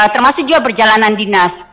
termasuk juga perjalanan dinas